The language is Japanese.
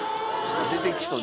出てきそう。